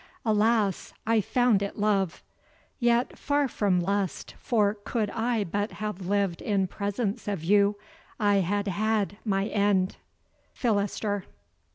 Alas! I found it love. Yet far from lust, for could I but have lived In presence of you, I had had my end. PHILASTER.